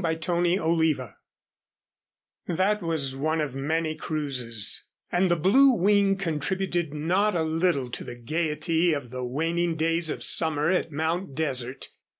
CHAPTER X That was one of many cruises, and the Blue Wing contributed not a little to the gayety of the waning days of summer at Mount Desert.